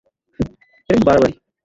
এটা কিন্তু বাড়াবাড়ি।